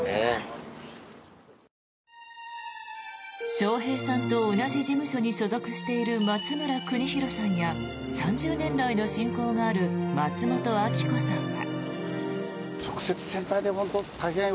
笑瓶さんと同じ事務所に所属している松村邦洋さんや３０年来の親交がある松本明子さんは。